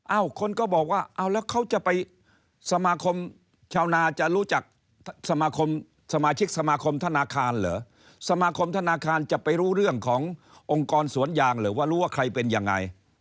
คนก็บอกว่าเอาแล้วเขาจะไปสมาคมชาวนาจะรู้จักสมาคมสมาชิกสมาคมธนาคารเหรอสมาคมธนาคารจะไปรู้เรื่องขององค์กรสวนยางหรือว่ารู้ว่าใครเป็นยังไง